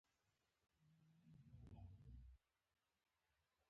استاد د فکري ودې پالونکی دی.